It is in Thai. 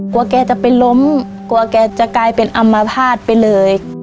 แกจะไปล้มกลัวแกจะกลายเป็นอำมาภาษณ์ไปเลย